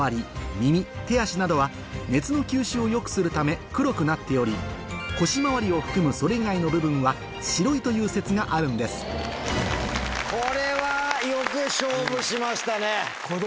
耳手足などは熱の吸収を良くするため黒くなっており腰回りを含むそれ以外の部分は白いという説があるんですと